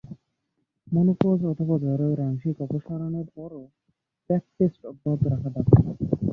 Menopause অথবা জরায়ুর আংশিক অপসারণের পরও প্যাপ টেস্ট অব্যাহত রাখা দরকার।